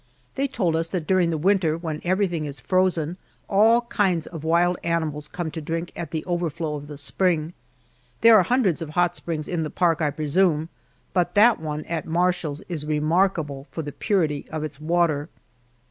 They told us that during the winter when everything is frozen, all kinds of wild animals come to drink at the overflow of the spring. There are hundreds of hot springs in the park, I presume, but that one at Marshall's is remarkable for the purity of its water.